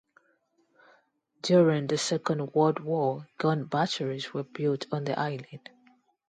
During the Second World War, gun batteries were built on the island.